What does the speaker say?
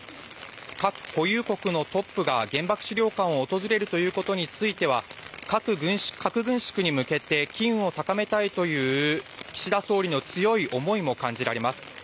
核保有国のトップが原爆資料館を訪れるということについては核軍縮に向けて機運を高めたいという岸田総理の強い思いも感じられます。